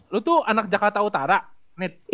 lo tuh anak jakarta utara nita